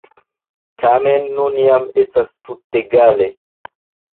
Tamen, nun jam estas tutegale.